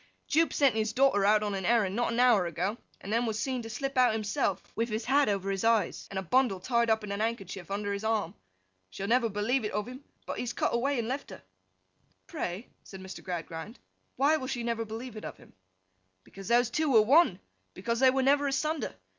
'Jupe sent his daughter out on an errand not an hour ago, and then was seen to slip out himself, with his hat over his eyes, and a bundle tied up in a handkerchief under his arm. She will never believe it of him, but he has cut away and left her.' 'Pray,' said Mr. Gradgrind, 'why will she never believe it of him?' 'Because those two were one. Because they were never asunder.